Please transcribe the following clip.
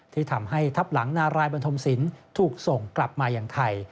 ที่ทำให้ทับหลังนารายบันทมศิลป์ถูกส่งกลับมาอย่างไทย